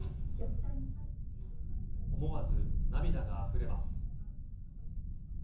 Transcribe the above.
思わず涙があふれます。